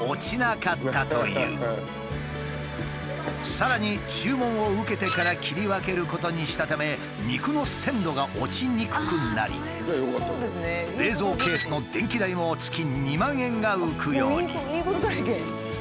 さらに注文を受けてから切り分けることにしたため肉の鮮度が落ちにくくなり冷蔵ケースのいいことだらけ。